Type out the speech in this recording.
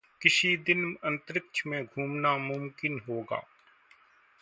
किसी दिन अंतरिक्ष में घूमना मुमकिन होगा।